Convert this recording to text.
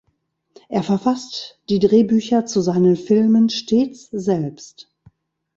Er verfasst die Drehbücher zu seinen Filmen stets selbst.